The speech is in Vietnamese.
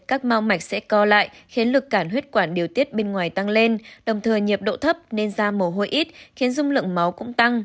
các mau mạch sẽ co lại khiến lực cản huyết quản điều tiết bên ngoài tăng lên đồng thời nhiệt độ thấp nên da mồ hôi ít khiến dung lượng máu cũng tăng